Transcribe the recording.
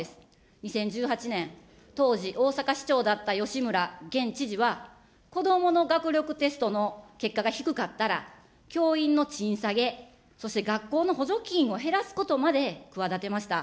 ２０１８年、当時、大阪市長だった吉村現知事は、こどもの学力テストの結果が低かったら、教員の賃下げ、そして学校の補助金を減らすことまで企てました。